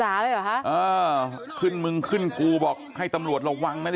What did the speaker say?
ด่าเลยเหรอฮะเออขึ้นมึงขึ้นกูบอกให้ตำรวจระวังนะ